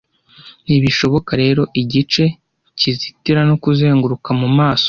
Ntibishoboka rero igice, kuzitira no kuzenguruka mu maso